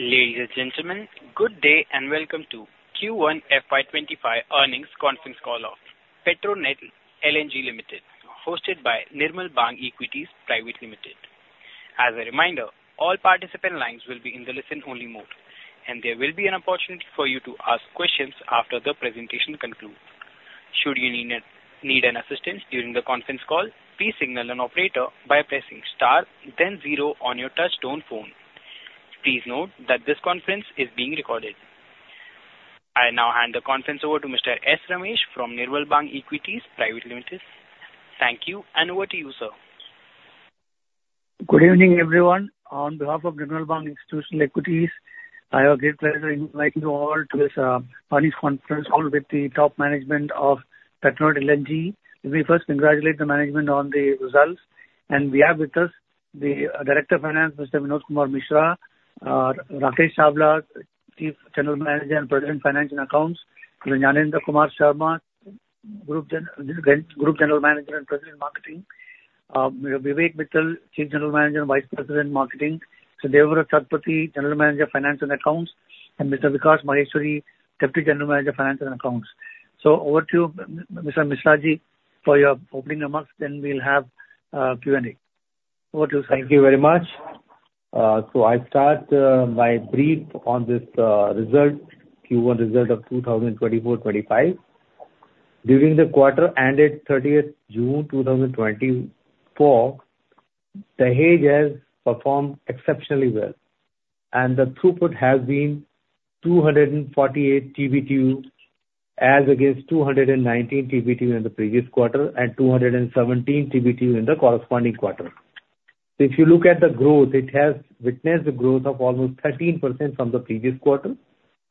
Ladies and gentlemen, good day, and welcome to Q1 FY2025 earnings conference call of Petronet LNG Limited, hosted by Nirmal Bang Equities Private Limited. As a reminder, all participant lines will be in the listen-only mode, and there will be an opportunity for you to ask questions after the presentation concludes. Should you need assistance during the conference call, please signal an operator by pressing star then zero on your touchtone phone. Please note that this conference is being recorded. I now hand the conference over to Mr. S. Ramesh from Nirmal Bang Equities Private Limited. Thank you, and over to you, sir. Good evening, everyone. On behalf of Nirmal Bang Institutional Equities, I have great pleasure in inviting you all to this earnings conference call with the top management of Petronet LNG. Let me first congratulate the management on the results. We have with us the Director of Finance, Mr. Vinod Kumar Mishra, Rakesh Chawla, Chief General Manager and President, Finance and Accounts, Mr. Gyanendra Kumar Sharma, Group General Manager and President, Marketing, Vivek Mittal, Chief General Manager and Vice President, Marketing, Mr. Devendra Satpathy, General Manager, Finance and Accounts, and Mr. Vikas Maheshwari, Deputy General Manager, Finance and Accounts. Over to you, Mr. Mishra ji, for your opening remarks, then we'll have Q&A. Over to you, sir. Thank you very much. So I start my brief on this result, Q1 result of 2024-2025. During the quarter and at 30th June 2024, Dahej has performed exceptionally well, and the throughput has been 248 TBTU, as against 219 TBTU in the previous quarter and 217 TBTU in the corresponding quarter. So if you look at the growth, it has witnessed a growth of almost 13% from the previous quarter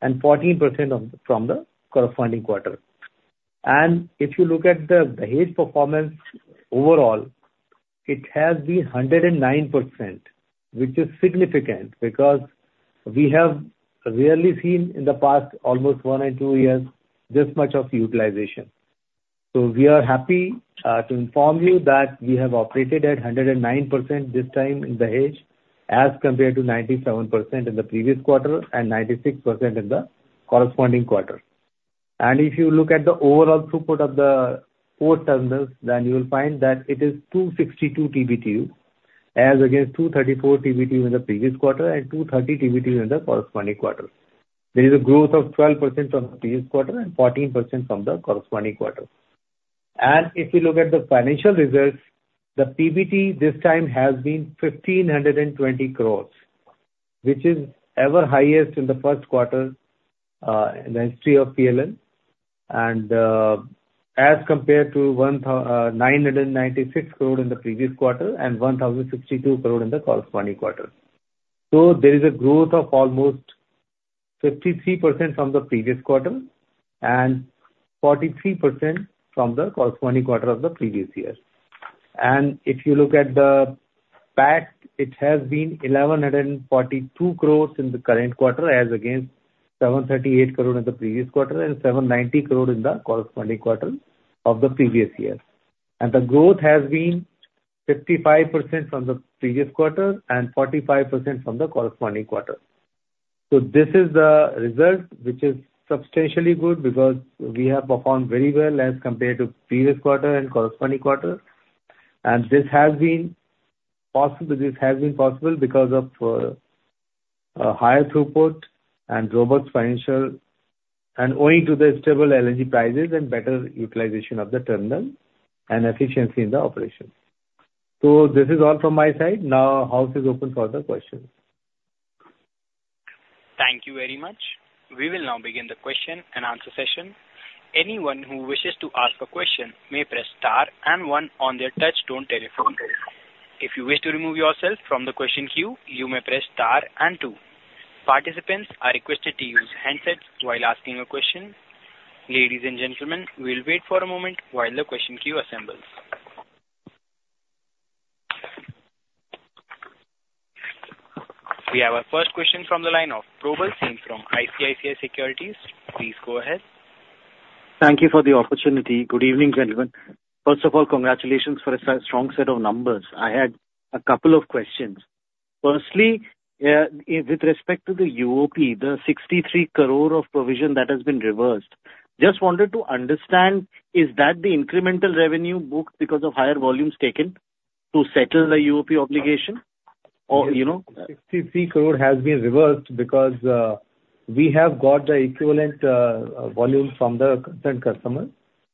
and 14% from the corresponding quarter. And if you look at the Dahej performance overall, it has been 109%, which is significant because we have rarely seen in the past, almost one or two years, this much of utilization. So we are happy to inform you that we have operated at 109% this time in Dahej, as compared to 97% in the previous quarter and 96% in the corresponding quarter. If you look at the overall throughput of the four terminals, then you will find that it is 262 TBTU, as against 234 TBTU in the previous quarter and 230 TBTU in the corresponding quarter. There is a growth of 12% from the previous quarter and 14% from the corresponding quarter. If you look at the financial results, the PBT this time has been 1,520 crore, which is ever highest in the first quarter in the history of PLN, and as compared to 1,996 crore in the previous quarter and 1,062 crore in the corresponding quarter. There is a growth of almost 53% from the previous quarter and 43% from the corresponding quarter of the previous year. If you look at the PAT, it has been 1,142 crore in the current quarter, as against 738 crore in the previous quarter and 790 crore in the corresponding quarter of the previous year. The growth has been 55% from the previous quarter and 45% from the corresponding quarter. So this is the result, which is substantially good because we have performed very well as compared to previous quarter and corresponding quarter. And this has been possible, this has been possible because of higher throughput and robust financial... And owing to the stable LNG prices and better utilization of the terminal and efficiency in the operations. So this is all from my side. Now, house is open for other questions. Thank you very much. We will now begin the question and answer session. Anyone who wishes to ask a question may press star and one on their touchtone telephone. If you wish to remove yourself from the question queue, you may press star and two. Participants are requested to use handsets while asking a question. Ladies and gentlemen, we'll wait for a moment while the question queue assembles. We have our first question from the line of Probal Sen from ICICI Securities. Please go ahead. Thank you for the opportunity. Good evening, gentlemen. First of all, congratulations for a strong set of numbers. I had a couple of questions. Firstly, with respect to the UOP, the 63 crore of provision that has been reversed, just wanted to understand, is that the incremental revenue booked because of higher volumes taken to settle the UOP obligation or, you know? 63 crore has been reversed because we have got the equivalent volume from the current customer,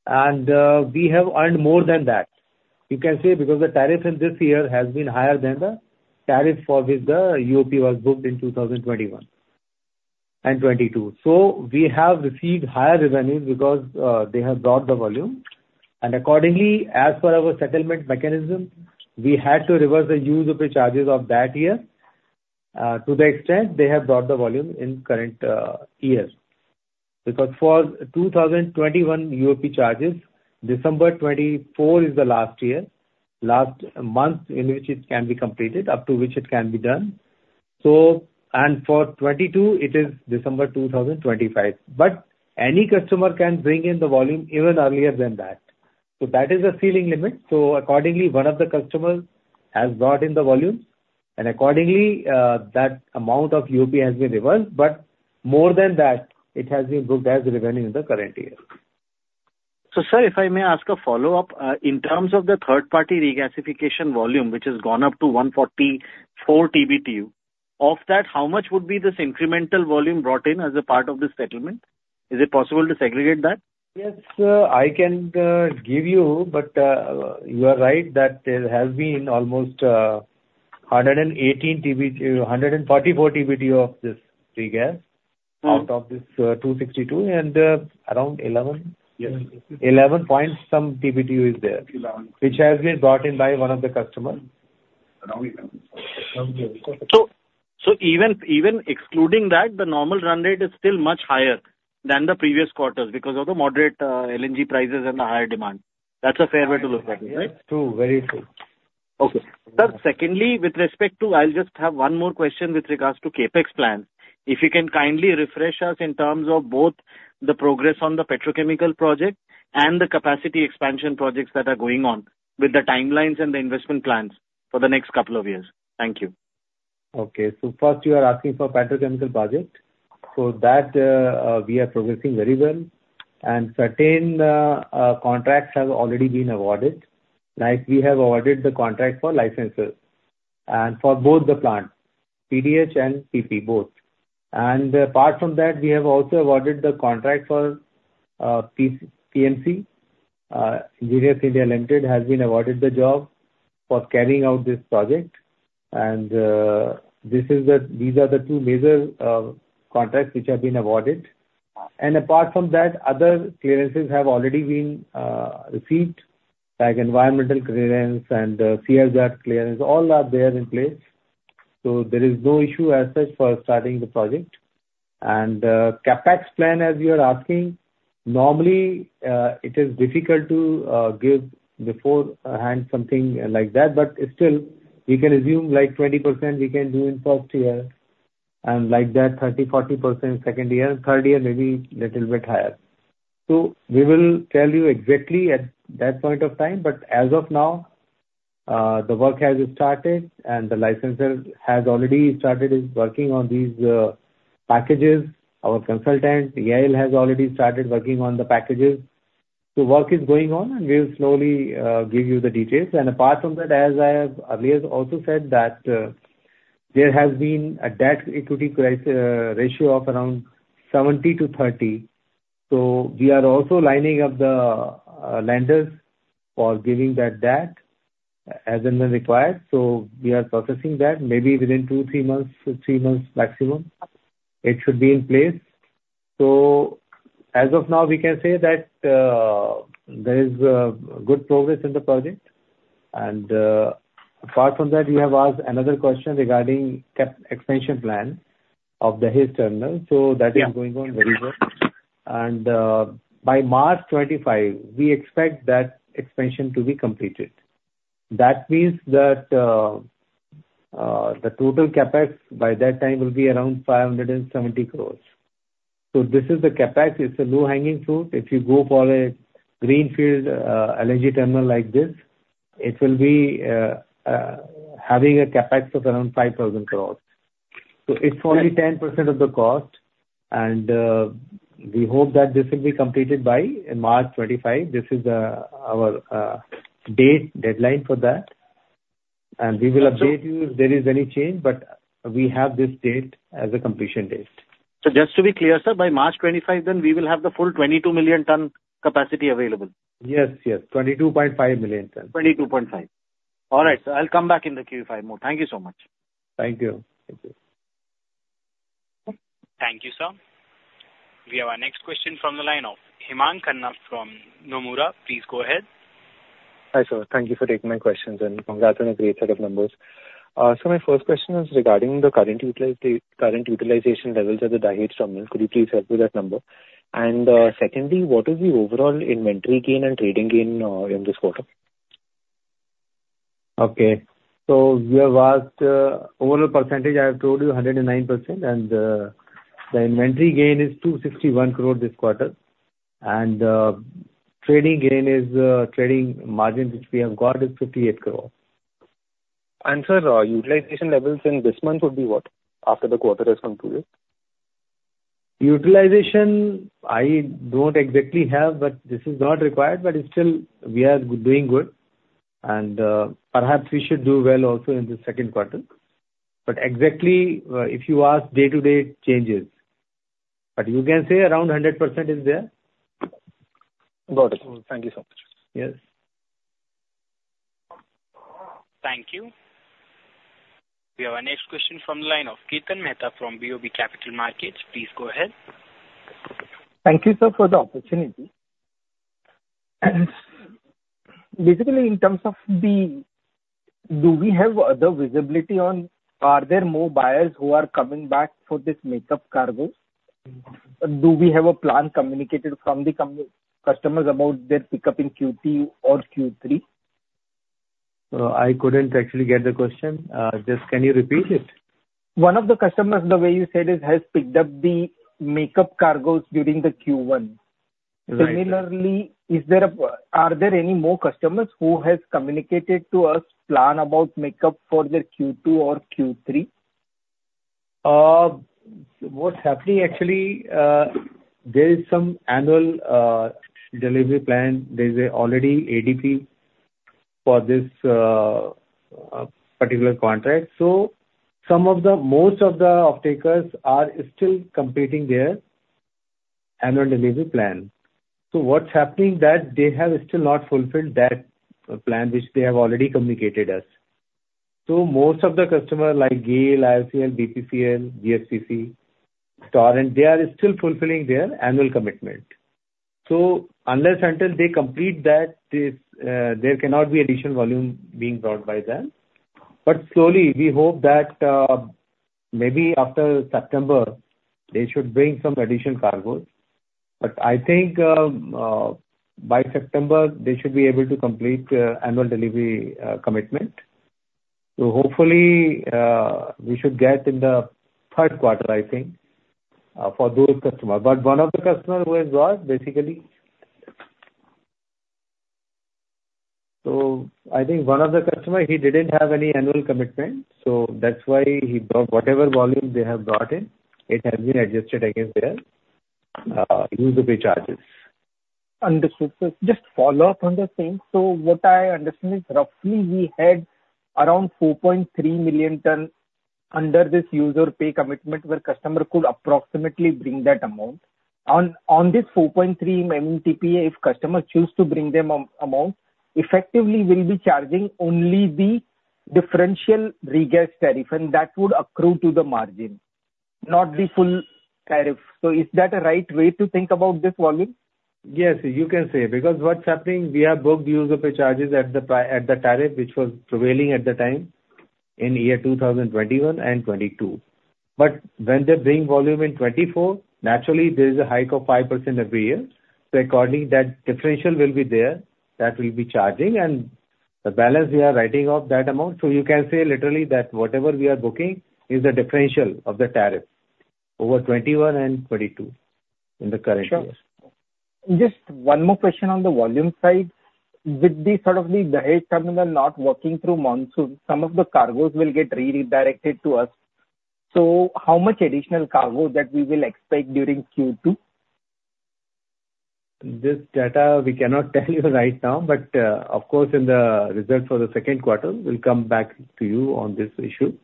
and we have earned more than that. You can say because the tariff in this year has been higher than the tariff for which the UOP was booked in 2021 and 2022. So we have received higher revenues because they have brought the volume. And accordingly, as per our settlement mechanism, we had to reverse the UOP charges of that year to the extent they have brought the volume in current years. Because for 2021 UOP charges, December 2024 is the last year, last month in which it can be completed, up to which it can be done. So, and for 2022, it is December 2025. But any customer can bring in the volume even earlier than that. So that is a ceiling limit, so accordingly, one of the customers has brought in the volume, and accordingly, that amount of UOP has been reversed, but more than that, it has been booked as revenue in the current year. So sir, if I may ask a follow-up, in terms of the third party regasification volume, which has gone up to 144 TBTU. Of that, how much would be this incremental volume brought in as a part of this settlement? Is it possible to segregate that? Yes, I can give you, but you are right that there has been almost 118 TBTU, 144 TBTU of this regas- Hmm. -out of this, 262, and, around 11? Yes. 11 point some TBTU is there. Eleven. Which has been brought in by one of the customers. Around eleven. So even excluding that, the normal run rate is still much higher than the previous quarters because of the moderate LNG prices and the higher demand. That's a fair way to look at it, right? True. Very true. Okay. Sir, secondly, with respect to... I'll just have one more question with regards to CapEx plans. If you can kindly refresh us in terms of both the progress on the petrochemical project and the capacity expansion projects that are going on, with the timelines and the investment plans for the next couple of years. Thank you. Okay. So first, you are asking for petrochemical project. So that we are progressing very well, and certain contracts have already been awarded. Like, we have awarded the contract for licenses, and for both the plants, PDH and PP, both. And apart from that, we have also awarded the contract for PMC. Engineers India Limited has been awarded the job for carrying out this project. And these are the two major contracts which have been awarded. And apart from that, other clearances have already been received, like environmental clearance and CRZ clearance, all are there in place. So there is no issue as such for starting the project. CapEx plan, as you are asking, normally, it is difficult to give beforehand something like that, but still, we can assume, like, 20% we can do in first year, and like that, 30%-40% second year, third year, maybe little bit higher. So we will tell you exactly at that point of time, but as of now, the work has started and the licensors has already started his working on these, packages. Our consultant, EIL, has already started working on the packages. So work is going on, and we will slowly, give you the details. And apart from that, as I have earlier also said, that, there has been a debt-equity ratio of around 70/30, so we are also lining up the, lenders for giving that debt as and when required. So we are processing that. Maybe within 2, 3 months, to 3 months maximum, it should be in place. So as of the now, we can say that there is good progress in the project. And apart from that, you have asked another question regarding capacity expansion plan of the Dahej terminal, so that is- Yeah. Going on very well. By March 2025, we expect that expansion to be completed. That means that the total CapEx by that time will be around 570 crores. So this is the CapEx, it's a low-hanging fruit. If you go for a greenfield LNG terminal like this, it will be having a CapEx of around 5,000 crores. So it's only 10% of the cost, and we hope that this will be completed by March 2025. This is our date deadline for that, and we will update you if there is any change, but we have this date as a completion date. Just to be clear, sir, by March 2025, then, we will have the full 22 million ton capacity available? Yes, yes, 22.5 million tons. 22.5. All right, sir, I'll come back in the queue five mode. Thank you so much. Thank you. Thank you. Thank you, sir. We have our next question from the line of Hemang Khanna from Nomura. Please go ahead. Hi, sir. Thank you for taking my questions, and congrats on a great set of numbers. So my first question is regarding the current utilization levels at the Dahej terminal. Could you please help with that number? Secondly, what is the overall inventory gain and trading gain in this quarter? Okay. So you have asked, overall percentage, I have told you 109%, and, the inventory gain is 261 crore this quarter. And, trading gain is, trading margin, which we have got, is 58 crore. Sir, utilization levels in this month would be what, after the quarter has concluded? Utilization, I don't exactly have, but this is not required, but still, we are doing good. And, perhaps we should do well also in the second quarter. But exactly, if you ask day-to-day changes, but you can say around 100% is there. Got it. Thank you so much. Yes. Thank you. We have our next question from the line of Kirtan Mehta from BOB Capital Markets. Please go ahead. Thank you, sir, for the opportunity. Basically, in terms of the... Do we have other visibility on are there more buyers who are coming back for this makeup cargo? Do we have a plan communicated from the customers about their pickup in Q2 or Q3?... So I couldn't actually get the question. Just, can you repeat it? One of the customers, the way you said it, has picked up the makeup cargos during the Q1. Right. Similarly, are there any more customers who has communicated to us plan about makeup for their Q2 or Q3? What's happening actually, there is some annual delivery plan. There's already ADP for this particular contract. So some of the, most of the off-takers are still completing their annual delivery plan. So what's happening that they have still not fulfilled that plan, which they have already communicated us. So most of the customer, like GAIL, IOCL, BPCL, GSPC, Torrent, they are still fulfilling their annual commitment. So unless until they complete that, this, there cannot be additional volume being brought by them. But slowly, we hope that, maybe after September, they should bring some additional cargoes. But I think, by September, they should be able to complete, annual delivery, commitment. So hopefully, we should get in the third quarter, I think, for those customers. But one of the customers who has bought, basically... So I think one of the customer, he didn't have any annual commitment, so that's why he bought whatever volume they have brought in, it has been adjusted against their Use or Pay charges. Understood. So just follow up on the same. So what I understand is, roughly we had around 4.3 million tons under this Use or Pay commitment, where customer could approximately bring that amount. On, on this 4.3 MMTPA, if customers choose to bring them on, amount, effectively we'll be charging only the differential regas tariff, and that would accrue to the margin, not the full tariff. So is that a right way to think about this volume? Yes, you can say, because what's happening, we have booked Use or Pay charges at the tariff, which was prevailing at the time in year 2021 and 2022. But when they bring volume in 2024, naturally there's a hike of 5% every year, so according that differential will be there, that we'll be charging, and the balance, we are writing off that amount. So you can say literally that whatever we are booking is the differential of the tariff over 2021 and 2022 in the current year. Sure. Just one more question on the volume side. With the sort of the Dahej terminal not working through monsoon, some of the cargoes will get redirected to us. So how much additional cargo that we will expect during Q2? This data we cannot tell you right now, but, of course, in the result for the second quarter, we'll come back to you on this issue.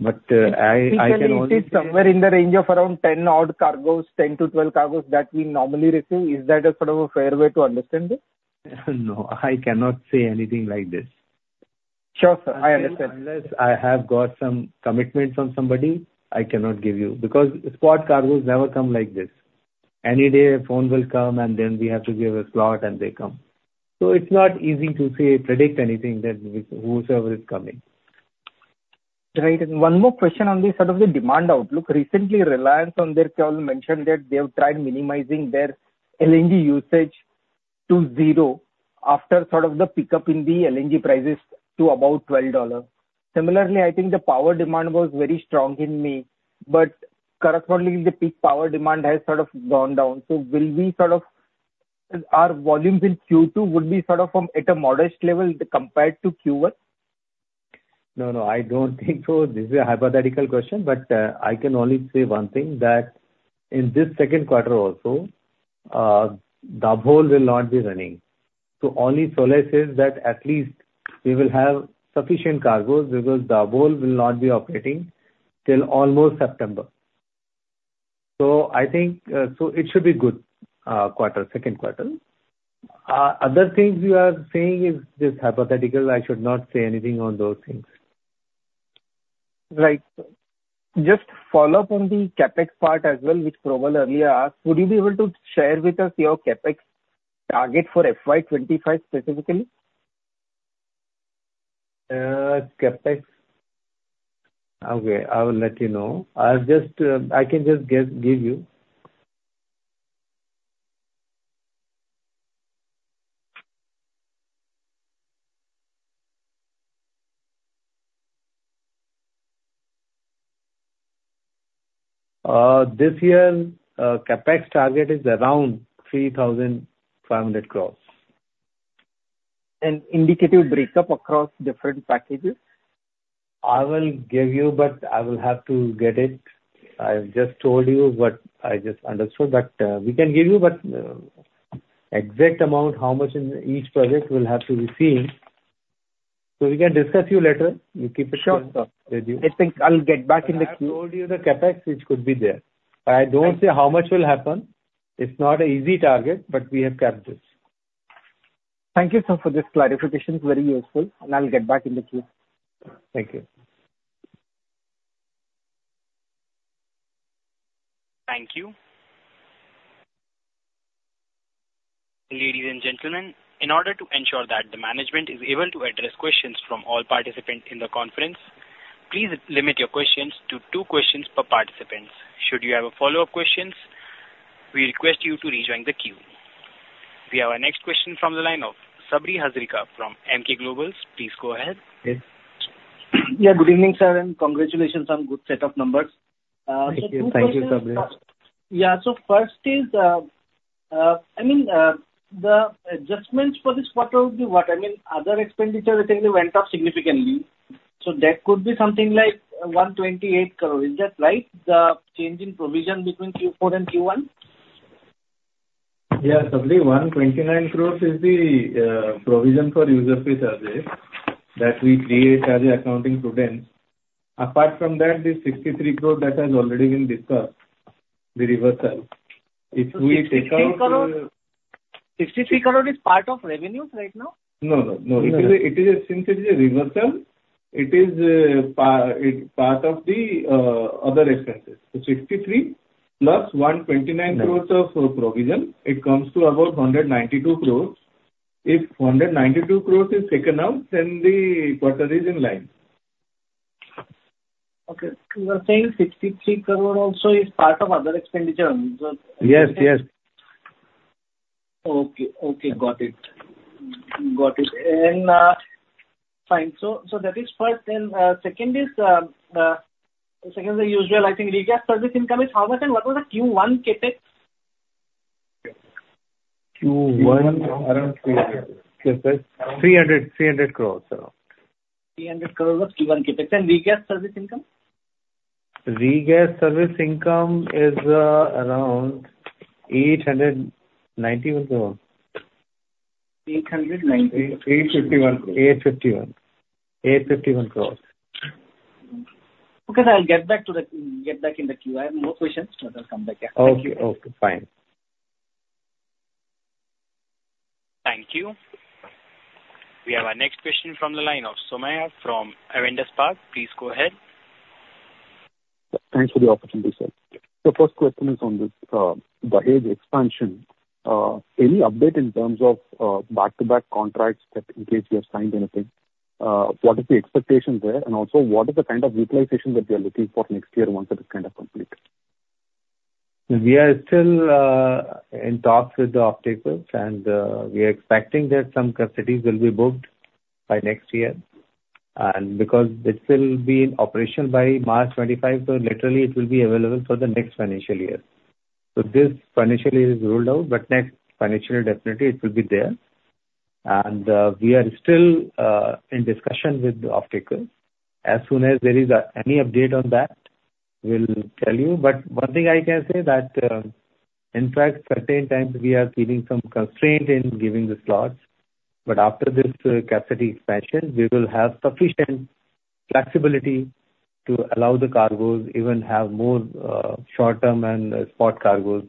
But, I can only say- Somewhere in the range of around 10 odd cargoes, 10-12 cargoes that we normally receive. Is that a sort of a fair way to understand it? No, I cannot say anything like this. Sure, sir. I understand. Unless I have got some commitments on somebody, I cannot give you, because spot cargoes never come like this. Any day, a phone will come, and then we have to give a slot and they come. So it's not easy to say, predict anything that with whosoever is coming. Right. And one more question on the sort of the demand outlook. Recently, Reliance on their call mentioned that they have tried minimizing their LNG usage to zero after sort of the pickup in the LNG prices to about $12. Similarly, I think the power demand was very strong in May, but correspondingly, the peak power demand has sort of gone down. So will we sort of... Our volumes in Q2 would be sort of from at a modest level compared to Q1? No, no, I don't think so. This is a hypothetical question, but, I can only say one thing, that in this second quarter also, Dabhol will not be running. So only solace is that at least we will have sufficient cargoes because Dabhol will not be operating till almost September. So I think, so it should be good, quarter, second quarter. Other things you are saying is just hypothetical. I should not say anything on those things. Right. Just follow up on the CapEx part as well, which Probal earlier asked: Would you be able to share with us your CapEx target for FY 2025, specifically? CapEx? Okay, I will let you know. I'll just, I can just guess, give you. This year, CapEx target is around 3,500 crores. Indicative breakup across different packages? I will give you, but I will have to get it. I just told you what I just understood, but we can give you, but exact amount, how much in each project, we'll have to receive. So we can discuss you later. We keep it short. Sure, sir. I think I'll get back in the queue. I told you the CapEx, which could be there, but I don't say how much will happen. It's not an easy target, but we have kept it. Thank you, sir, for this clarification. It's very useful, and I'll get back in the queue. Thank you. Thank you. Ladies and gentlemen, in order to ensure that the management is able to address questions from all participants in the conference, please limit your questions to two questions per participant. Should you have a follow-up question, we request you to rejoin the queue. We have our next question from the line of Sabri Hazarika from Emkay Global. Please go ahead. Okay. Yeah, good evening, sir, and congratulations on good set of numbers. So two questions- Thank you. Thank you, Sabri. Yeah. So first is, I mean, the adjustments for this quarter would be what? I mean, other expenditure, I think, went up significantly, so that could be something like 128 crore. Is that right, the change in provision between Q4 and Q1? Yeah, Sabri, 129 crore is the provision for Use or Pay charges that we create as an accounting prudence. Apart from that, the 63 crore that has already been discussed, the reversal. If we take out- 63 crore, 63 crore is part of revenues right now? No, no, no. No. It is a reversal since it is part of the other expenses. So 63 plus 129 crores- Yeah of provision, it comes to about 192 crore. If 192 crore is taken out, then the quarter is in line. Okay. You are saying 63 crore also is part of other expenditure on the- Yes, yes. Okay. Okay, got it. Got it. And, fine. So, that is first. Then, second is the usual, I think, regas service income is how much, and what was the Q1 CapEx? Q1 around 300 crore CapEx. INR 300 crore, 300 crore around. 300 crore was Q1 CapEx. Regas service income? Regas service income is around 891 crore. 890- 851. 851. 851 crore. Okay, I'll get back in the queue. I have more questions, so I'll come back. Yeah. Okay, okay, fine. Thank you. We have our next question from the line of Somaiah from Avendus Spark. Please go ahead. Thanks for the opportunity, sir. The first question is on this, the Dahej expansion. Any update in terms of, back-to-back contracts that in case you have signed anything, what is the expectation there? And also, what is the kind of utilization that you are looking for next year once it is kind of complete? We are still in talks with the off-takers, and we are expecting that some capacities will be booked by next year. Because this will be in operation by March 2025, so literally it will be available for the next financial year. So this financial year is ruled out, but next financial year, definitely it will be there. And we are still in discussion with the off-taker. As soon as there is any update on that, we'll tell you. But one thing I can say that, in fact, certain times we are feeling some constraint in giving the slots, but after this capacity expansion, we will have sufficient flexibility to allow the cargoes even have more short-term and spot cargoes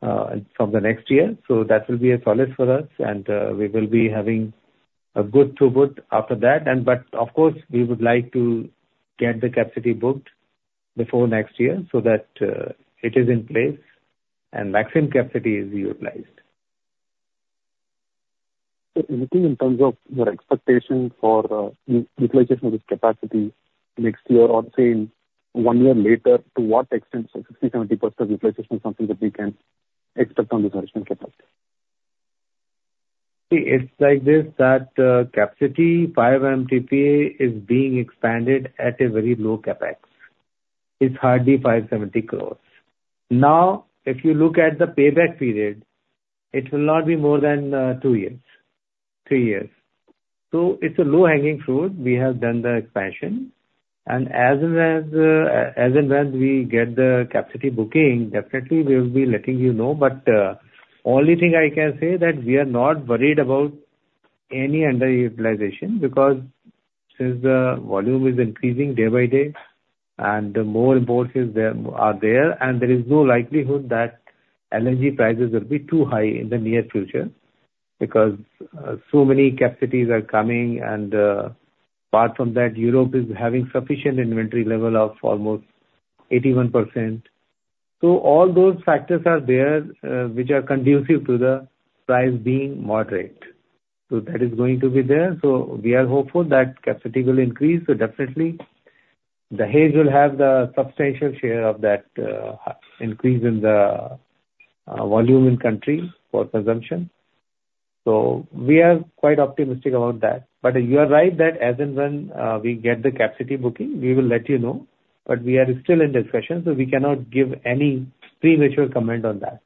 from the next year. So that will be a solace for us, and we will be having a good throughput after that. But of course, we would like to get the capacity booked before next year, so that it is in place and maximum capacity is utilized. So anything in terms of your expectation for utilization of this capacity next year or say one year later, to what extent, so 60%-70% utilization is something that we can expect on this expansion capacity? It's like this, that, capacity 5 MTPA is being expanded at a very low CapEx. It's hardly 570 crores. Now, if you look at the payback period, it will not be more than, 2-3 years. So it's a low-hanging fruit. We have done the expansion, and as and as, as and when we get the capacity booking, definitely we will be letting you know. But, only thing I can say that we are not worried about any underutilization, because since the volume is increasing day by day, and the more imports is there, are there, and there is no likelihood that LNG prices will be too high in the near future, because, so many capacities are coming, and, apart from that, Europe is having sufficient inventory level of almost 81%. So all those factors are there, which are conducive to the price being moderate. So that is going to be there. So we are hopeful that capacity will increase. So definitely, Dahej will have the substantial share of that, increase in the, volume in country for consumption. So we are quite optimistic about that. But you are right that as and when, we get the capacity booking, we will let you know. But we are still in discussion, so we cannot give any premature comment on that.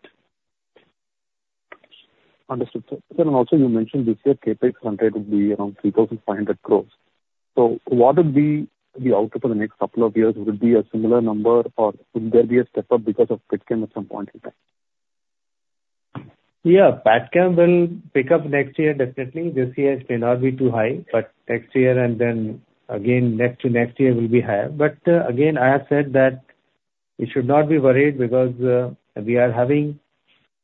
Understood, sir. Also, you mentioned this year CapEx hundred will be around 3,500 crore. So what would be the outlook for the next couple of years? Would it be a similar number, or would there be a step up because of Petchem at some point in time? Yeah, Petchem will pick up next year, definitely. This year it may not be too high, but next year and then again, next to next year will be higher. But, again, I have said that we should not be worried because, we are having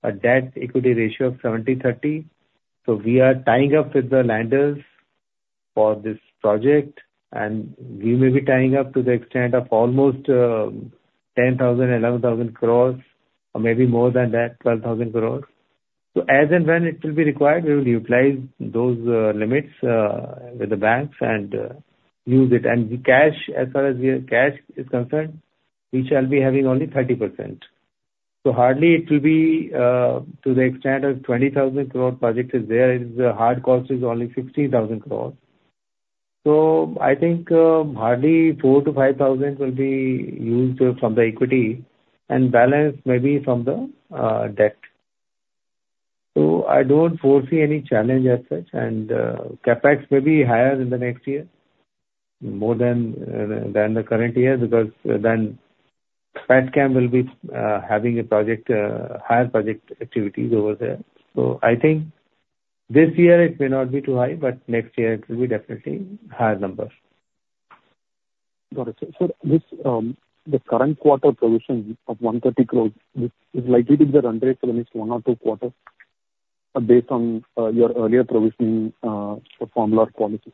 a debt-equity ratio of 70/30. So we are tying up with the lenders for this project, and we may be tying up to the extent of almost, 10,000 crore-11,000 crore, or maybe more than that, 12,000 crore.... So as and when it will be required, we will utilize those, limits, with the banks and, use it. And the cash, as far as the cash is concerned, we shall be having only 30%. So hardly it will be to the extent of 20,000 crore project is there, its hard cost is only 60,000 crore. So I think hardly 4,000-5,000 will be used from the equity and balance maybe from the debt. So I don't foresee any challenge as such, and CapEx may be higher in the next year, more than than the current year, because then Petchem will be having a project higher project activities over there. So I think this year it may not be too high, but next year it will be definitely higher numbers. Got it. So, sir, this, the current quarter provision of 130 crore, this is likely to be run rate for the next one or two quarters, based on your earlier provisioning formula or policy?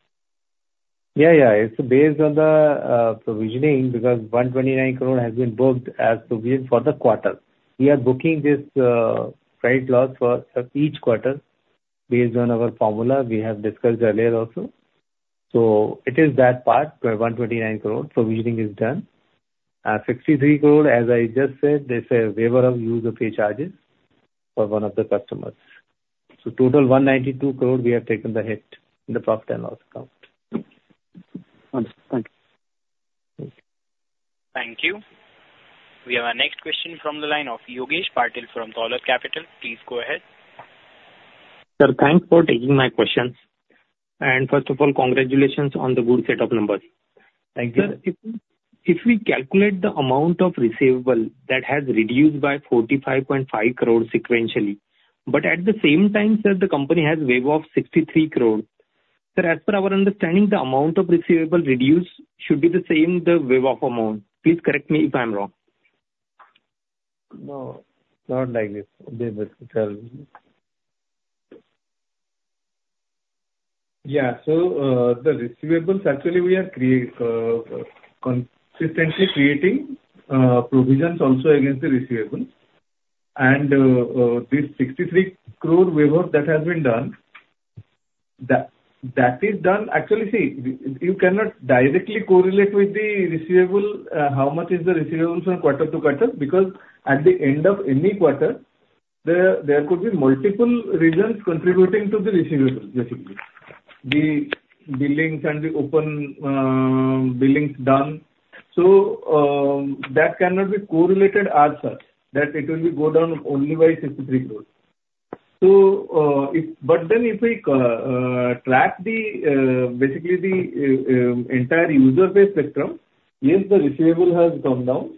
Yeah, yeah. It's based on the provisioning, because 129 crore has been booked as provision for the quarter. We are booking this credit loss for each quarter based on our formula. We have discussed earlier also. So it is that part, where 129 crore provisioning is done. 63 crore, as I just said, this is a waiver of Use or Pay charges for one of the customers. So total 192 crore, we have taken the hit in the profit and loss account. Understood. Thank you. Thank you. Thank you. We have our next question from the line of Yogesh Patil from Dolat Capital. Please go ahead. Sir, thanks for taking my questions. First of all, congratulations on the good set of numbers. Thank you. Sir, if we calculate the amount of receivable that has reduced by 45.5 crore sequentially, but at the same time, sir, the company has waiver of 63 crore. Sir, as per our understanding, the amount of receivable reduced should be the same the waiver amount. Please correct me if I'm wrong. No, not like this. There was... Yeah. So, the receivables, actually, consistently creating provisions also against the receivables. And, this 63 crore waiver that has been done, that is done... Actually, see, you cannot directly correlate with the receivable how much is the receivables from quarter to quarter, because at the end of any quarter, there could be multiple reasons contributing to the receivables, basically. The billings and the open billings done. So, that cannot be correlated as such, that it will go down only by 63 crore. So, but then if we collect the basically the entire user base spectrum, yes, the receivable has come down.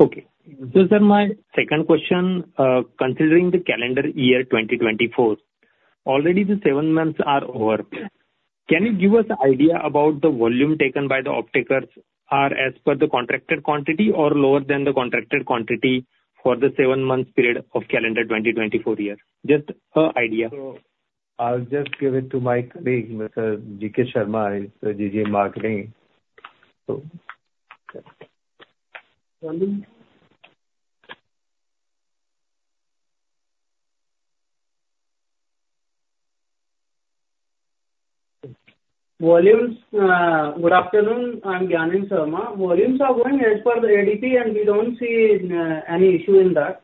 Okay. So sir, my second question, considering the calendar year 2024, already the 7 months are over. Can you give us an idea about the volume taken by the off-takers are as per the contracted quantity or lower than the contracted quantity for the 7-month period of calendar 2024 year? Just an idea. So, I'll just give it to my colleague, Mr. G.K. Sharma. He's GG Marketing. Volumes, good afternoon. I'm Gyanendra Sharma. Volumes are going as per the ADP, and we don't see any issue in that.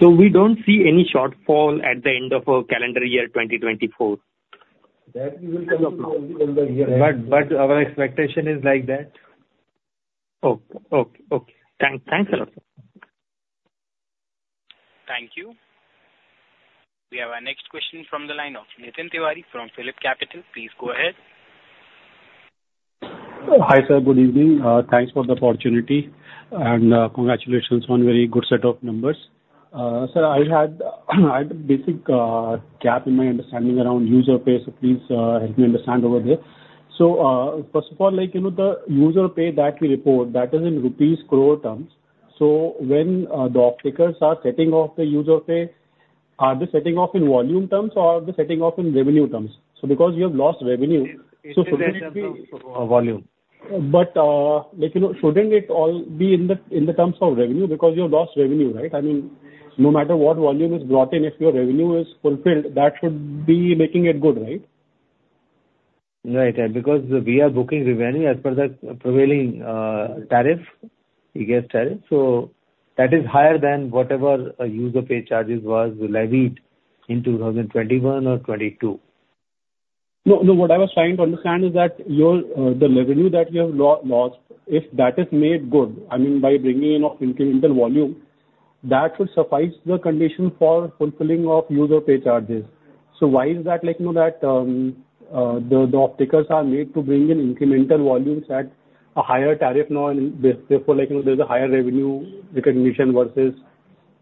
We don't see any shortfall at the end of calendar year 2024? That will come up in the year. But our expectation is like that. Okay. Okay, okay. Thanks a lot. Thank you. We have our next question from the line of Nitin Tiwari from Phillip Capital. Please go ahead. Hi, sir, good evening. Thanks for the opportunity, and, congratulations on very good set of numbers. Sir, I had a basic gap in my understanding around Use or Pay, so please help me understand over there. So, first of all, like, you know, the Use or Pay that we report, that is in rupees crore terms. So when the offtakers are setting off the Use or Pay, are they setting off in volume terms or are they setting off in revenue terms? So because you have lost revenue, so should it be? Uh, volume. But, like, you know, shouldn't it all be in the, in the terms of revenue? Because you've lost revenue, right? I mean, no matter what volume is brought in, if your revenue is fulfilled, that should be making it good, right? Right. And because we are booking revenue as per the prevailing, tariff, gas tariff, so that is higher than whatever, Use or Pay charges was levied in 2021 or '22. No, no. What I was trying to understand is that your the revenue that you have lost, if that is made good, I mean, by bringing in of incremental volume, that should suffice the condition for fulfilling of Use or Pay charges. So why is that, like, you know, that the offtakers are made to bring in incremental volumes at a higher tariff now, and therefore, like, you know, there's a higher revenue recognition versus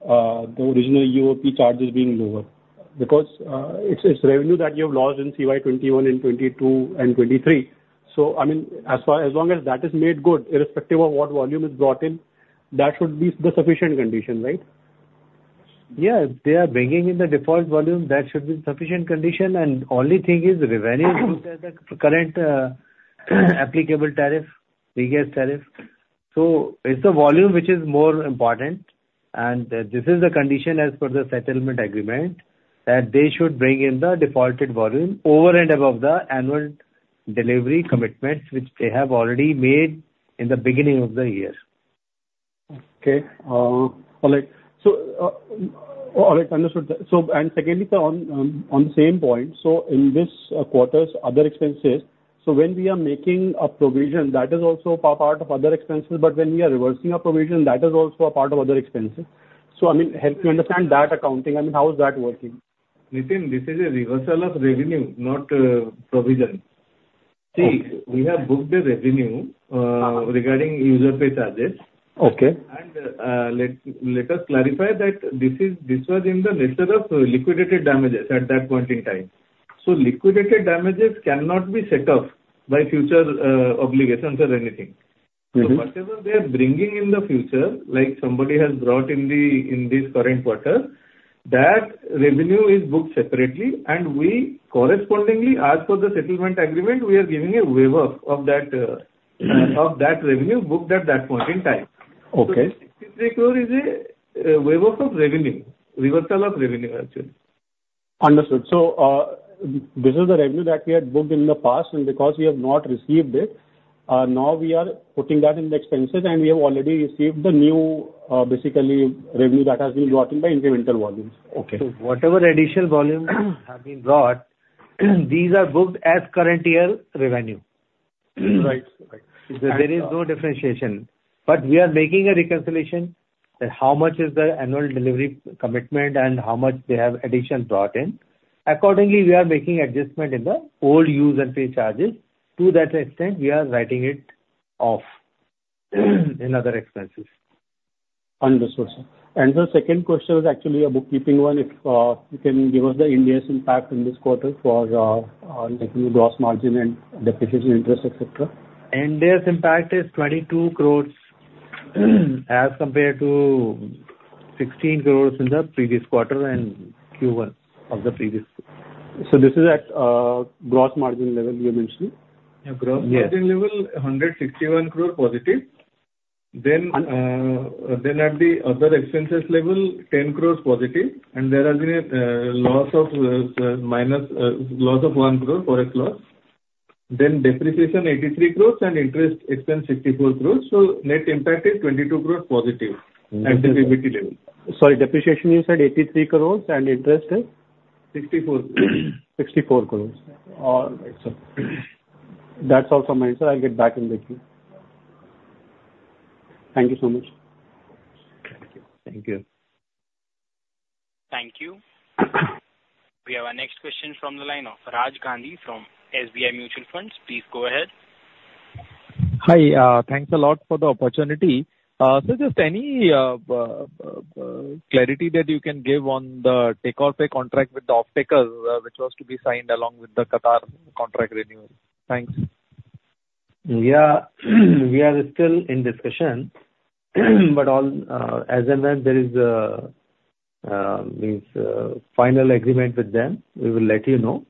the original UOP charges being lower? Because it's revenue that you have lost in CY 2021 and 2022 and 2023. So I mean, as far, as long as that is made good, irrespective of what volume is brought in, that should be the sufficient condition, right?... Yeah, they are bringing in the default volume, that should be sufficient condition, and only thing is the revenue booked at the current, applicable tariff, previous tariff. So it's the volume which is more important, and, this is the condition as per the settlement agreement, that they should bring in the defaulted volume over and above the annual delivery commitments which they have already made in the beginning of the year. Okay. All right. So, all right, understood that. So, and secondly, on the same point, so in this quarter's other expenses, so when we are making a provision, that is also part of other expenses, but when we are reversing a provision, that is also a part of other expenses. So I mean, help me understand that accounting. I mean, how is that working? Nitin, this is a reversal of revenue, not provision. Okay. See, we have booked the revenue regarding Use or Pay charges. Okay. And, let us clarify that this is, this was in the nature of liquidated damages at that point in time. So liquidated damages cannot be set off by future, obligations or anything. Mm-hmm. So whatever they are bringing in the future, like somebody has brought in the, in this current quarter, that revenue is booked separately, and we correspondingly, as per the settlement agreement, we are giving a waiver of that, Mm-hmm... of that revenue booked at that point in time. Okay. So, is a waiver of revenue, reversal of revenue, actually. Understood. So, this is the revenue that we had booked in the past, and because we have not received it, now we are putting that in the expenses, and we have already received the new, basically revenue that has been brought in by incremental volumes. Okay. Whatever additional volumes have been brought, these are booked as current year revenue. Right. Right. There is no differentiation. But we are making a reconciliation that how much is the annual delivery commitment and how much they have additional brought in. Accordingly, we are making adjustment in the old use and pay charges. To that extent, we are writing it off in other expenses. Understood, sir. And the second question is actually a bookkeeping one. If you can give us the Ind AS impact in this quarter for maybe gross margin and depreciation interest, et cetera. Ind AS impact is 22 crore, as compared to 16 crore in the previous quarter and Q1 of the previous. So this is at, gross margin level, you mentioned? Yeah, gross- Yes... margin level, 161 crore positive. Then, then at the other expenses level, 10 crores positive, and there has been a, loss of, minus, loss of 1 crore, forex loss. Then depreciation, 83 crores, and interest expense, 64 crores, so net impact is 22 crores positive at the EBITDA level. Sorry, depreciation, you said 83 crore, and interest is? Sixty-four. 64 crore. All right, sir. That's all from my end, sir. I'll get back in the queue. Thank you so much. Thank you. Thank you. We have our next question from the line of Raj Gandhi from SBI Mutual Fund. Please go ahead. Hi, thanks a lot for the opportunity. Just any clarity that you can give on the take-or-pay contract with the off-takers, which was to be signed along with the Qatar contract renewal? Thanks. Yeah, we are still in discussion, but all, as and when there is a means, final agreement with them, we will let you know.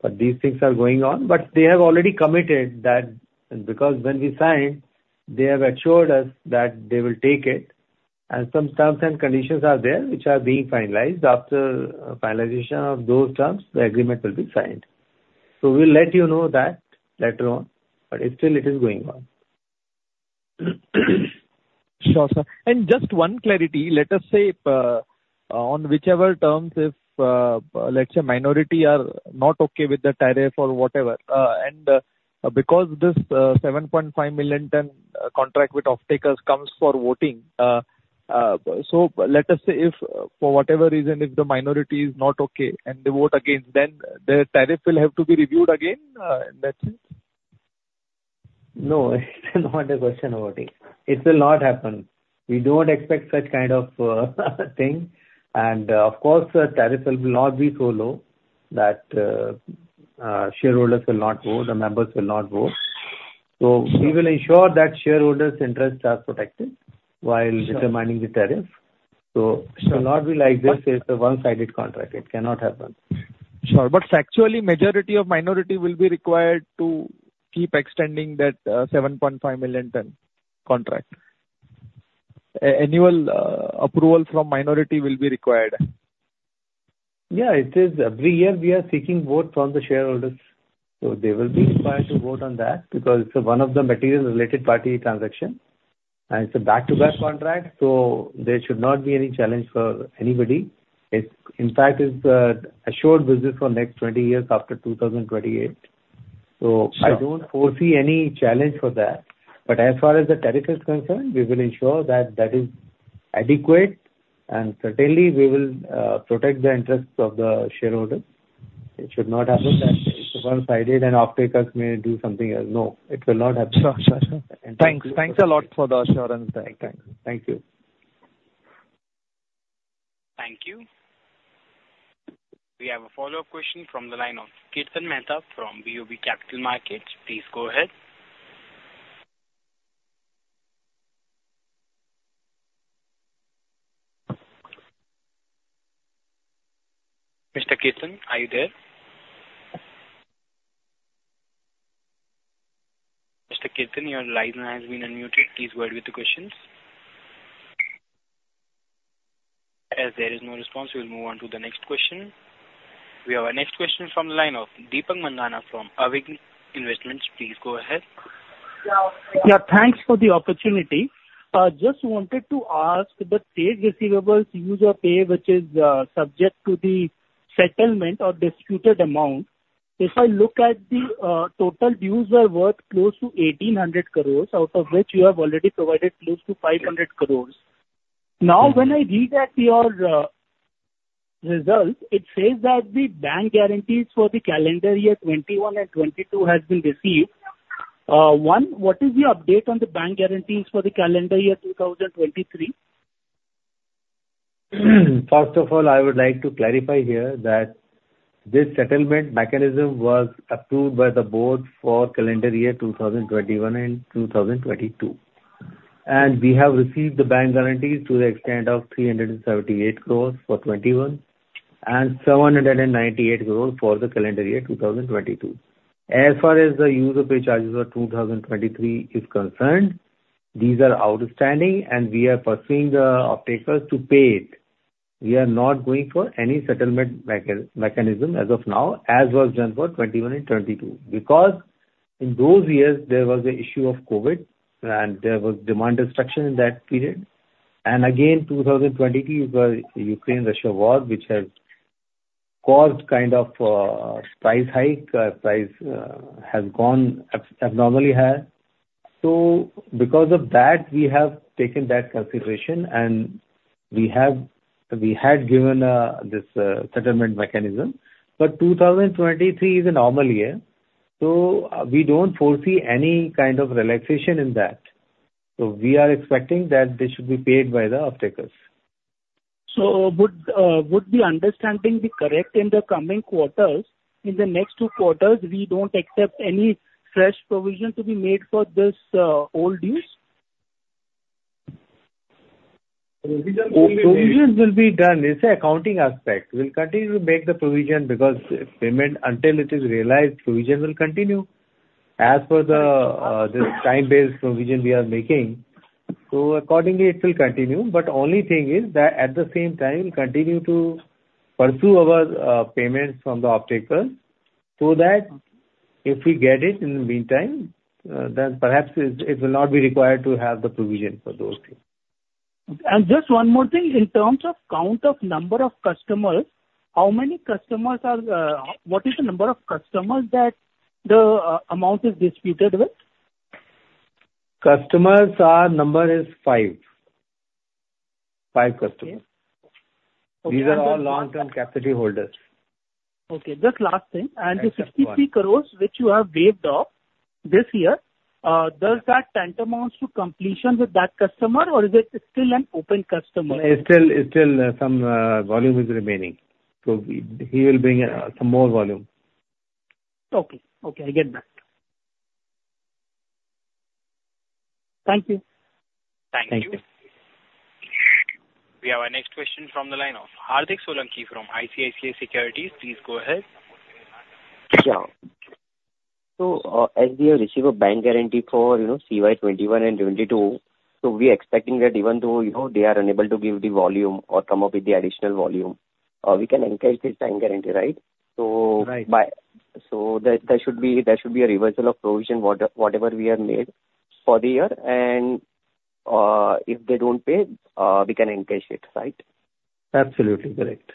But these things are going on, but they have already committed that... Because when we signed, they have assured us that they will take it, and some terms and conditions are there, which are being finalized. After, finalization of those terms, the agreement will be signed. So we'll let you know that later on, but it, still it is going on. Sure, sir. Just one clarity, let us say on whichever terms if let's say minority are not okay with the tariff or whatever, and because this 7.5 million ton contract with off-takers comes for voting, so let us say if for whatever reason if the minority is not okay and they vote against, then the tariff will have to be reviewed again in that sense? No, it's not a question of voting. It will not happen. We don't expect such kind of thing. Of course, the tariff will not be so low that shareholders will not vote, the members will not vote. We will ensure that shareholders' interests are protected while- Sure. determining the tariff. So Sure. It will not be like this is a one-sided contract. It cannot happen. Sure, but factually, majority or minority will be required to keep extending that, 7.5 million ton contract. An annual approval from minority will be required. Yeah, it is. Every year we are seeking vote from the shareholders, so they will be required to vote on that, because it's one of the material related party transaction, and it's a back-to-back contract, so there should not be any challenge for anybody. It, in fact, is the assured business for next 20 years after 2028. Sure. So I don't foresee any challenge for that. But as far as the tariff is concerned, we will ensure that that is adequate, and certainly we will protect the interests of the shareholders. It should not happen that it's a one-sided, and off-takers may do something else. No, it will not happen. Sure, sure, sure. And- Thanks, thanks a lot for the assurance there. Thank you. Thank you. Thank you. We have a follow-up question from the line of Kirtan Mehta from BOB Capital Markets. Please go ahead... Mr. Kirtan, are you there? Mr. Kirtan, your line has been unmuted. Please go ahead with the questions. As there is no response, we'll move on to the next question. We have our next question from the line of Deepak Mandhana from Abakkus Investments, please go ahead. Yeah, thanks for the opportunity. Just wanted to ask, the trade receivables Use or Pay, which is subject to the settlement or disputed amount. If I look at the total dues are worth close to 1,800 crore, out of which you have already provided close to 500 crore. Now, when I read at your results, it says that the bank guarantees for the calendar year 2021 and 2022 has been received. One, what is the update on the bank guarantees for the calendar year 2023? First of all, I would like to clarify here that this settlement mechanism was approved by the board for calendar year 2021 and 2022. And we have received the bank guarantees to the extent of 378 crore for 2021, and 798 crore for the calendar year 2022. As far as the use of charges of 2023 is concerned, these are outstanding and we are pursuing the off-takers to pay it. We are not going for any settlement mechanism as of now, as was done for 2021 and 2022. Because in those years there was an issue of COVID, and there was demand destruction in that period. And again, 2022, you got Ukraine-Russia war, which has caused kind of, price hike, price, has gone abnormally high. Because of that, we have taken that consideration, and we have, we had given, this settlement mechanism. But 2023 is a normal year, so, we don't foresee any kind of relaxation in that. So we are expecting that they should be paid by the off-takers. Would the understanding be correct in the coming quarters, in the next two quarters, we don't expect any fresh provision to be made for this old dues? Provisions will be done. It's an accounting aspect. We'll continue to make the provision because payment, until it is realized, provision will continue. As per this time-based provision we are making, so accordingly, it will continue. But the only thing is that at the same time, continue to pursue our payments from the off-taker, so that if we get it in the meantime, then perhaps it will not be required to have the provision for those things. And just one more thing, in terms of count of number of customers, what is the number of customers that the amount is disputed with? Customers, our number is five. Five customers. Okay. These are all long-term capacity holders. Okay, just last thing. Yes, go on. The 63 crore which you have waived off this year, does that tantamount to completion with that customer, or is it still an open customer? It's still some volume is remaining. So he will bring some more volume. Okay. Okay, I get that. Thank you. Thank you. Thank you. We have our next question from the line of Hardik Solanki from ICICI Securities. Please go ahead. Yeah. So, as we have received a bank guarantee for, you know, CY 2021 and 2022, so we are expecting that even though, you know, they are unable to give the volume or come up with the additional volume, we can encourage this bank guarantee, right? So- Right. So there should be a reversal of provision, whatever we have made for the year, and if they don't pay, we can encash it, right? Absolutely correct.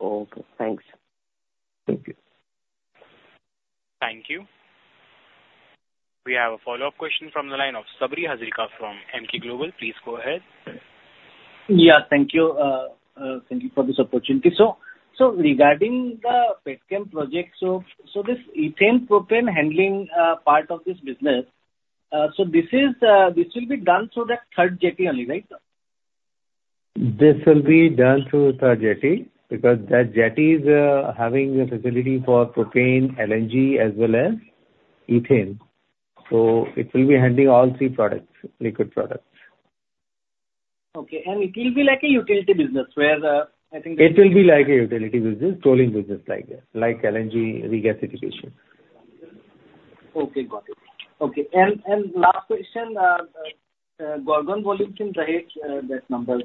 Okay, thanks. Thank you. Thank you. We have a follow-up question from the line of Sabri Hazarika from Emkay Global. Please go ahead. Yeah, thank you. Thank you for this opportunity. So, regarding the Petchem project, so this ethane propane handling, part of this business, so this is, this will be done through the third jetty only, right? This will be done through the third jetty, because that jetty is having the facility for propane, LNG, as well as ethane. So it will be handling all three products, liquid products. Okay. And it will be like a utility business, where, I think- It will be like a utility business, tolling business, like that, like LNG regasification. Okay, got it. Okay, and, and last question, Gorgon volume in Dahej, that number?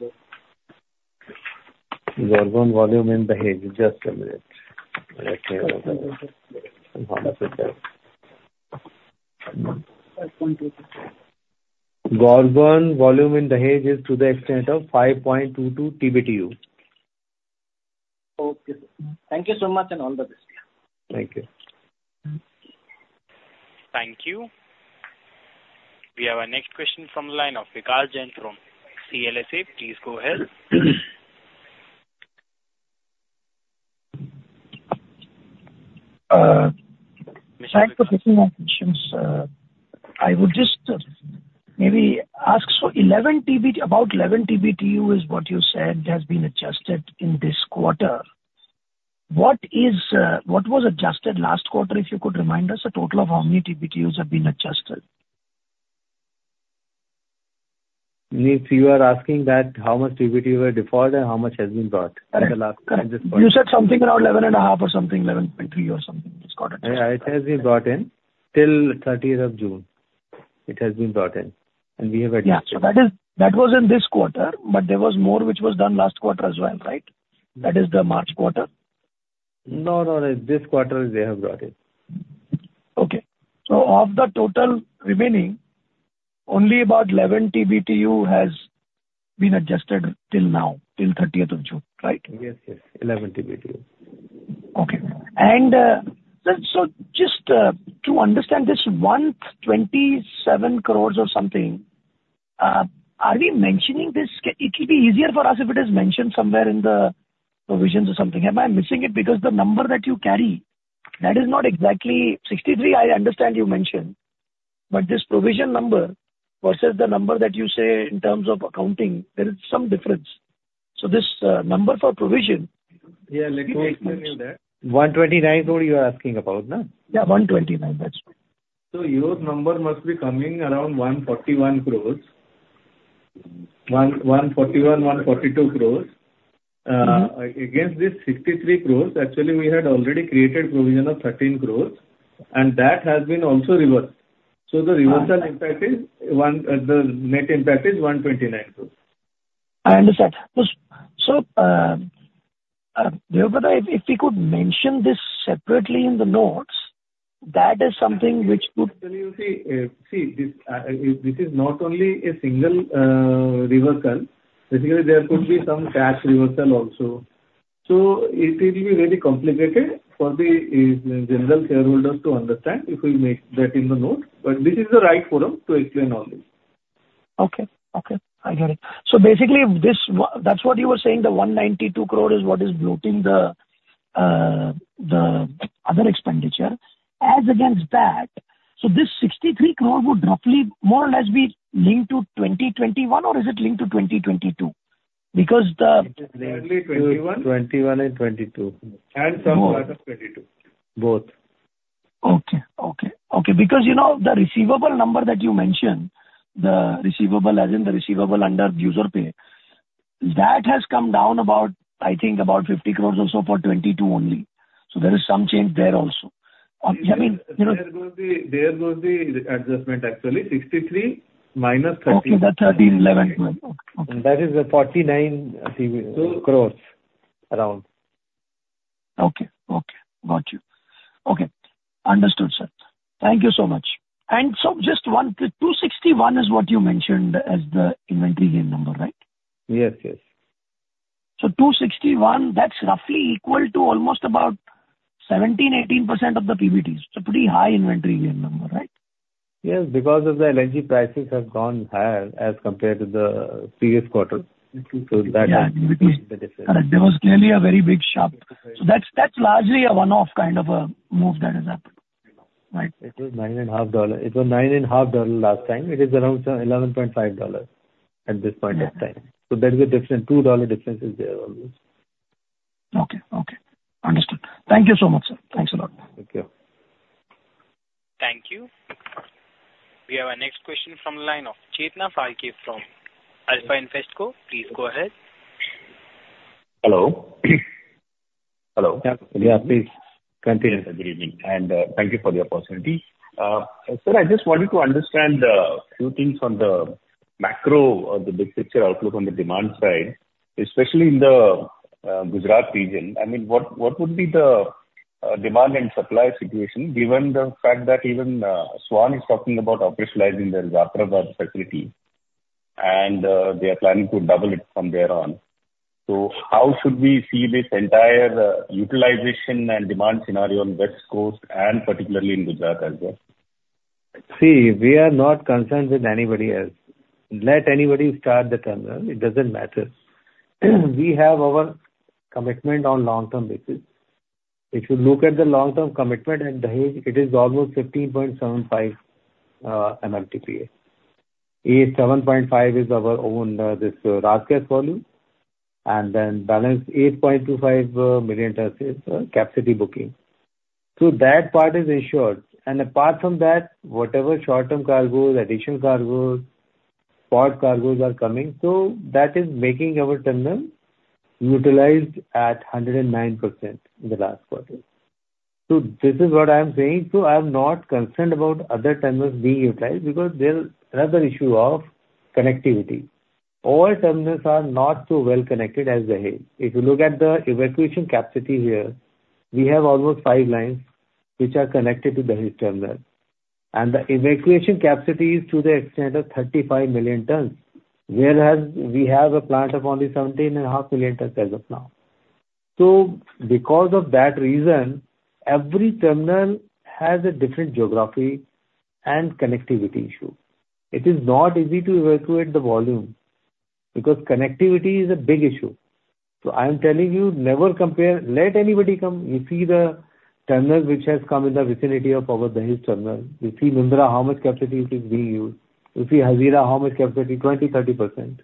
Gorgon volume in Dahej is to the extent of 5.22 TBTU. Okay. Thank you so much, and all the best. Thank you. Thank you. We have our next question from the line of Vikas Jain from CLSA. Please go ahead. Thanks for taking my questions. I would just maybe ask, so about 11 TBTU is what you said has been adjusted in this quarter. What was adjusted last quarter, if you could remind us a total of how many TBTUs have been adjusted? Means you are asking that how much BTU were default and how much has been brought in the last quarter? Correct. You said something around 11.5 or something, 11.3 or something, this quarter. Yeah, it has been brought in till thirtieth of June. It has been brought in, and we have adjusted. Yeah, so that is, that was in this quarter, but there was more which was done last quarter as well, right? That is the March quarter. No, no, no. This quarter, they have brought it. Okay. So of the total remaining, only about 11 TBTU has been adjusted till now, till thirtieth of June, right? Yes, yes, 11 BTU. Okay. And, so, so just, to understand this 127 crore or something, are we mentioning this? It, it will be easier for us if it is mentioned somewhere in the provisions or something. Am I missing it? Because the number that you carry, that is not exactly 63, I understand you mentioned. But this provision number versus the number that you say in terms of accounting, there is some difference. So this, number for provision- Yeah, let me explain you that. 129, what you are asking about, no? Yeah, 129, that's right. Your number must be coming around 141 crore. Or 141, 142 crore. Mm-hmm. Against this 63 crores, actually, we had already created provision of 13 crores, and that has been also reversed. Uh. The reversal impact is 129, the net impact is 129 crore. I understand. So, Devendra, if we could mention this separately in the notes, that is something which could- See, this is not only a single reversal. Basically, there could be some tax reversal also. So it will be very complicated for the general shareholder to understand if we make that in the note, but this is the right forum to explain all this. Okay. Okay, I get it. So basically, that's what you were saying, the 192 crore is what is bloating the other expenditure. As against that, so this 63 crore would roughly more or less be linked to 2021, or is it linked to 2022? Because the- It is mainly 21. 2021 and 2022. Some part of 2022. Both. Okay. Okay, okay. Because, you know, the receivable number that you mentioned, the receivable, as in the receivable under Use or Pay, that has come down about, I think, about 50 crore or so for 2022 only. So there is some change there also. I mean, you know- There goes the adjustment, actually, 63 minus 13. Okay, the 13, 11. Okay. That is the 49 crores, around. Okay. Okay, got you. Okay, understood, sir. Thank you so much. And so just 1,261 is what you mentioned as the inventory gain number, right? Yes. Yes. 261, that's roughly equal to almost about 17%-18% of the PBTs. It's a pretty high inventory gain number, right? Yes, because of the LNG prices have gone higher as compared to the previous quarter. So that is the difference. Yeah, correct. There was clearly a very big sharp... So that's, that's largely a one-off kind of a move that has happened, right? It was $9.5. It was $9.5 last time. It is around 11.5 dollars at this point of time. Yeah. There is a difference. $2 difference is there always. Okay, okay. Understood. Thank you so much, sir. Thanks a lot. Thank you. Thank you. We have our next question from the line of Chetan Phalke from Alpha Invesco. Please go ahead. Hello? Hello. Yeah, yeah, please continue. Good evening, and thank you for the opportunity. So I just wanted to understand a few things on the macro or the big picture outlook on the demand side, especially in the Gujarat region. I mean, what would be the demand and supply situation, given the fact that even Swan is talking about operationalizing their Ratnagiri facility, and they are planning to double it from there on. So how should we see this entire utilization and demand scenario on West Coast and particularly in Gujarat as well? See, we are not concerned with anybody else. Let anybody start the terminal, it doesn't matter. We have our commitment on long-term basis. If you look at the long-term commitment at Dahej, it is almost 15.75 MTPA. 8.75 is our own, this market volume, and then balance 8.25 million tons is capacity booking. That part is ensured. Apart from that, whatever short-term cargos, additional cargos, spot cargos are coming, so that is making our terminal utilized at 109% in the last quarter. This is what I am saying. I am not concerned about other terminals being utilized because there's another issue of connectivity. All terminals are not so well connected as Dahej. If you look at the evacuation capacity here, we have almost five lines which are connected to Dahej terminal, and the evacuation capacity is to the extent of 35 million tons, whereas we have a plant of only 17.5 million tons as of now. So because of that reason, every terminal has a different geography and connectivity issue. It is not easy to evacuate the volume, because connectivity is a big issue. So I am telling you, never compare... Let anybody come. You see the terminal which has come in the vicinity of our Dahej terminal. You see Mundra, how much capacity it is being used. You see Hazira, how much capacity, 20%, 30%....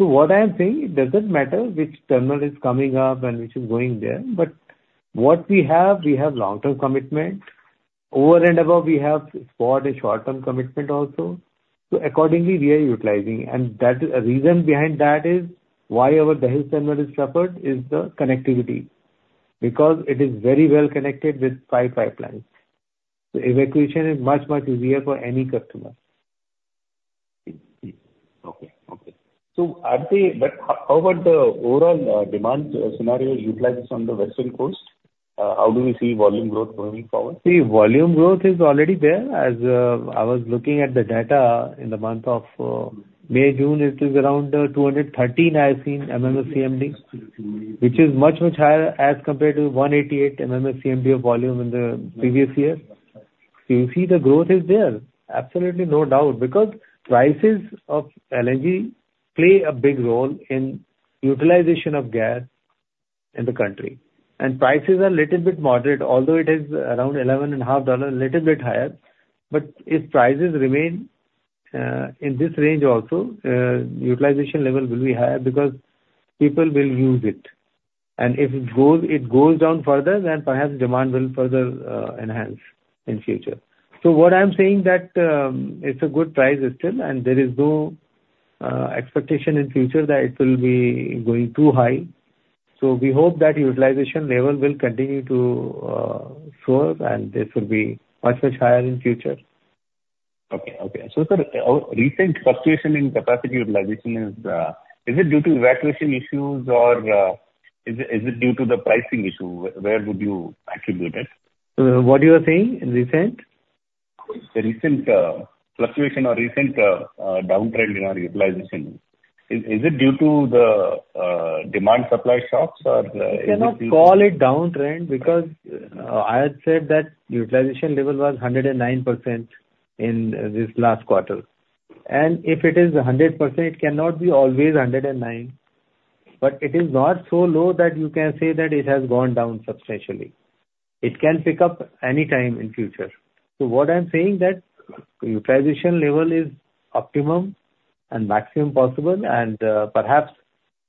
So what I'm saying, it doesn't matter which terminal is coming up and which is going there, but what we have, we have long-term commitment. Over and above, we have spot and short-term commitment also. So accordingly, we are utilizing, and that is, the reason behind that is why our Dahej terminal has prospered is the connectivity, because it is very well connected with five pipelines. So evacuation is much, much easier for any customer. Mm-hmm. Okay, okay. So, but how about the overall demand scenario utilization on the West Coast? How do we see volume growth moving forward? See, volume growth is already there. As, I was looking at the data in the month of, May, June, it is around, 213, I have seen, MMSCMD, which is much, much higher as compared to 188 MMSCMD of volume in the previous year. So you see, the growth is there, absolutely no doubt, because prices of LNG play a big role in utilization of gas in the country. And prices are little bit moderate, although it is around $11.5, little bit higher, but if prices remain, in this range also, utilization level will be higher because people will use it. And if it goes, it goes down further, then perhaps demand will further, enhance in future. So what I'm saying that, it's a good price still, and there is no expectation in future that it will be going too high. So we hope that utilization level will continue to soar, and this will be much, much higher in future. Okay, okay. So, sir, recent fluctuation in capacity utilization, is it due to evacuation issues or is it due to the pricing issue? Where would you attribute it? So what you are saying, recent? The recent fluctuation or recent downtrend in our utilization. Is it due to the demand/supply shocks or is it due to- You cannot call it downtrend because I had said that utilization level was 109% in this last quarter. And if it is 100%, it cannot be always 109%. But it is not so low that you can say that it has gone down substantially. It can pick up any time in future. So what I'm saying that utilization level is optimum and maximum possible, and perhaps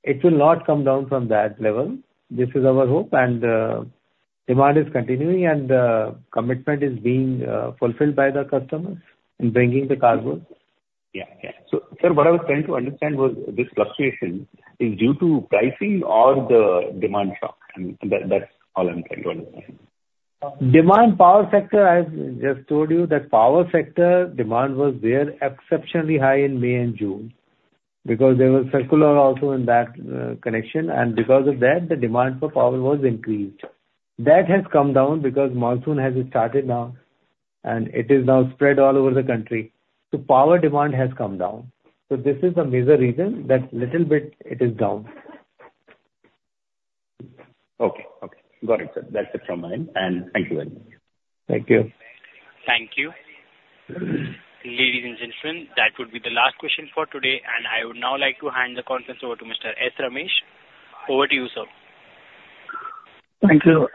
it will not come down from that level. This is our hope, and demand is continuing, and commitment is being fulfilled by the customers in bringing the cargo. Yeah. Yeah. So, sir, what I was trying to understand was this fluctuation is due to pricing or the demand shock? And that, that's all I'm trying to understand. Demand power sector, I've just told you that power sector demand was there exceptionally high in May and June, because there was circular also in that connection, and because of that, the demand for power was increased. That has come down because monsoon has started now, and it is now spread all over the country. So power demand has come down. So this is the major reason that little bit it is down. Okay, okay. Got it, sir. That's it from my end, and thank you very much. Thank you. Thank you. Ladies and gentlemen, that would be the last question for today, and I would now like to hand the conference over to Mr. S. Ramesh. Over to you, sir. Thank you.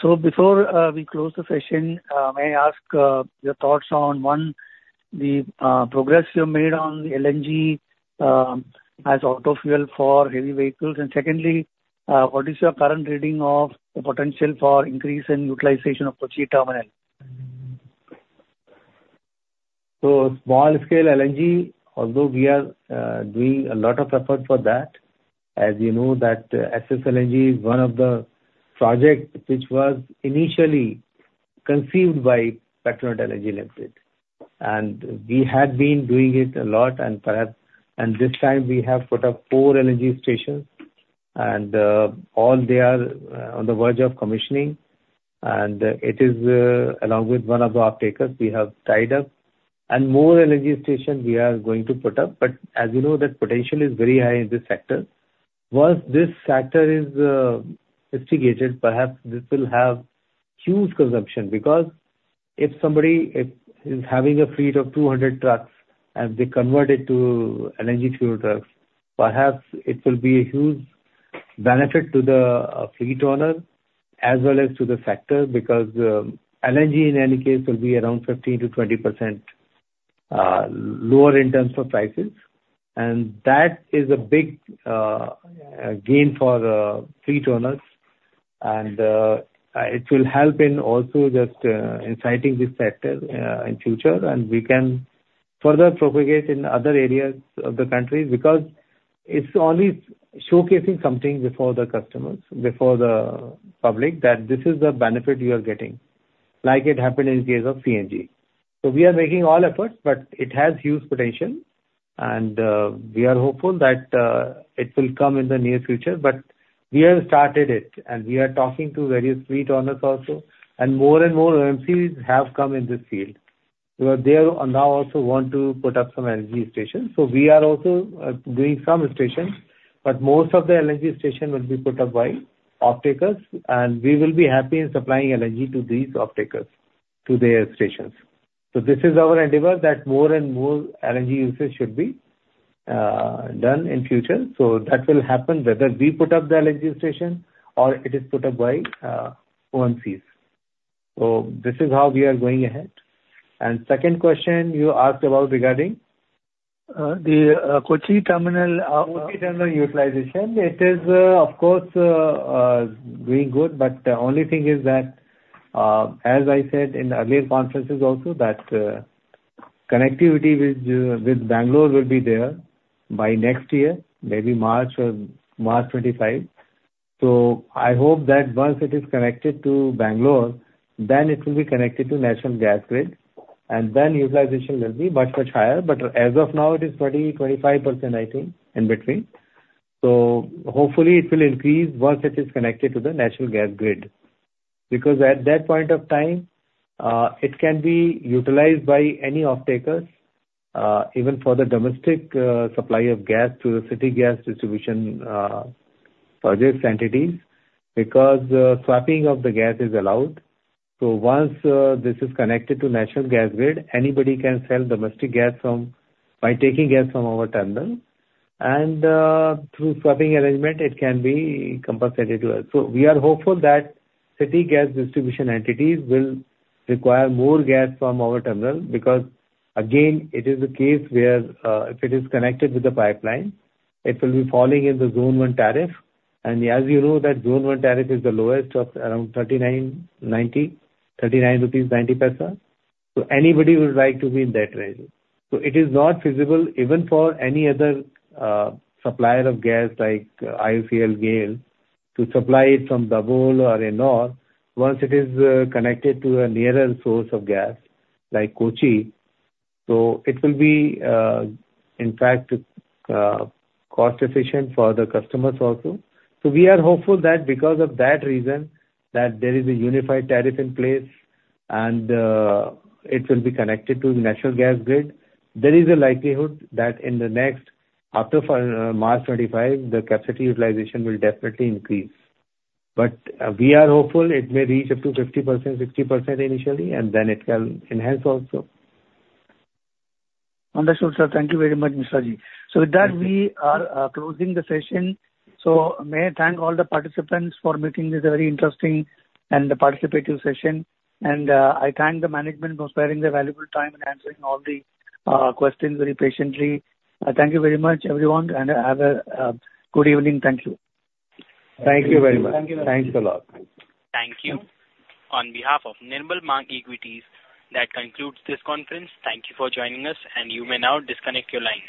So before we close the session, may I ask your thoughts on, one, the progress you have made on LNG as auto fuel for heavy vehicles? And secondly, what is your current reading of the potential for increase in utilization of Kochi terminal? So small scale LNG, although we are doing a lot of effort for that, as you know, that ssLNG is one of the projects which was initially conceived by Petronet LNG Limited. And we had been doing it a lot and perhaps... And this time we have put up 4 LNG stations, and all they are on the verge of commissioning, and it is along with one of the off-takers we have tied up. And more LNG station we are going to put up, but as you know, the potential is very high in this sector. Once this sector is instigated, perhaps this will have huge consumption because if somebody is having a fleet of 200 trucks and they convert it to LNG fuel trucks, perhaps it will be a huge benefit to the fleet owner as well as to the sector, because LNG, in any case, will be around 15%-20% lower in terms of prices. And that is a big gain for fleet owners. And it will help in also just in [sighting] this sector in future, and we can further propagate in other areas of the country, because it's only showcasing something before the customers, before the public, that this is the benefit you are getting, like it happened in case of CNG. So we are making all efforts, but it has huge potential, and we are hopeful that it will come in the near future. But we have started it, and we are talking to various fleet owners also, and more and more OMCs have come in this field. So they now also want to put up some LNG stations. So we are also doing some stations, but most of the LNG station will be put up by off-takers, and we will be happy in supplying LNG to these off-takers, to their stations. So this is our endeavor, that more and more LNG usage should be done in future. So that will happen, whether we put up the LNG station or it is put up by OMCs. So this is how we are going ahead. And second question you asked about regarding? The Kochi terminal. Kochi terminal utilization, it is, of course, doing good, but the only thing is that, as I said in earlier conferences also, that, connectivity with, with Bangalore will be there by next year, maybe March or March 2025. So I hope that once it is connected to Bangalore, then it will be connected to National Gas Grid, and then utilization will be much, much higher. But as of now, it is 20%-25%, I think, in between. So hopefully it will increase once it is connected to the National Gas Grid. Because at that point of time, it can be utilized by any off-takers, even for the domestic, supply of gas to the city gas distribution, projects entities, because, swapping of the gas is allowed. So once this is connected to National Gas Grid, anybody can sell domestic gas from, by taking gas from our terminal, and through swapping arrangement, it can be compensated to us. So we are hopeful that city gas distribution entities will require more gas from our terminal, because again, it is a case where, if it is connected with the pipeline, it will be falling in the Zone 1 tariff. And as you know that Zone 1 tariff is the lowest of around 39.90 rupees, so anybody would like to be in that range. So it is not feasible, even for any other supplier of gas, like IOCL, GAIL, to supply it from Dabhol or Ennore, once it is connected to a nearer source of gas, like Kochi. So it will be, in fact, cost efficient for the customers also. So we are hopeful that because of that reason, that there is a unified tariff in place, and it will be connected to the National Gas Grid. There is a likelihood that in the next, after March 2025, the capacity utilization will definitely increase. But we are hopeful it may reach up to 50%, 60% initially, and then it can enhance also. Understood, sir. Thank you very much, Mishra Ji. So with that, we are closing the session. So may I thank all the participants for making this a very interesting and a participative session. And I thank the management for sparing their valuable time and answering all the questions very patiently. Thank you very much, everyone, and have a good evening. Thank you. Thank you very much. Thank you. Thanks a lot. Thank you. On behalf of Nirmal Bang Equities, that concludes this conference. Thank you for joining us, and you may now disconnect your line.